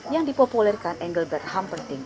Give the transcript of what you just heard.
yang dipopulerkan engelbert humperdinck